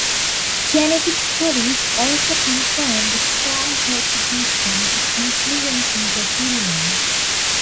Genetic studies also confirm the strong Portuguese genetic influence in Brazilians.